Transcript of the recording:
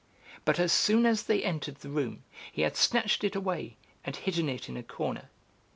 But as soon as they entered the room he had snatched it away and hidden it in a corner.